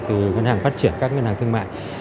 từ ngân hàng phát triển các ngân hàng thương mại